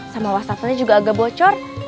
sama wastafelnya juga agak bocor